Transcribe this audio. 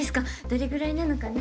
どれぐらいなのかなって。